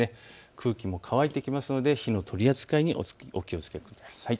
空気も乾いてきますので火の取り扱いにお気をつけください。